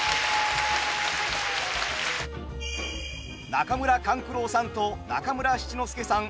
中村勘九郎さんと中村七之助さん